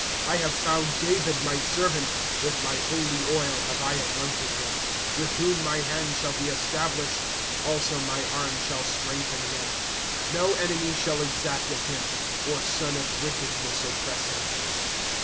5" I have found David, my servant ; With my holy oil have I anointed him. " "With whom my hand shall be established ; Also my arm shall strengthen him. ^^ No enemy shall exact of him. Or son of wickedness oppress him.